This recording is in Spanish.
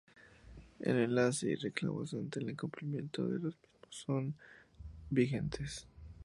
El alcance y reclamos ante el incumplimiento de los mismos son aún vigentes.